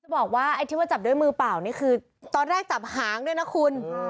บอกว่าไอ้ที่ว่าจับด้วยมือเปล่านี่คือตอนแรกจับหางด้วยนะคุณ